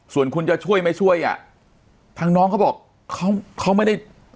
ส่วนคุณจะช่วยไม่ช่วยอ่ะทางน้องเขาบอกเขาเขาไม่ได้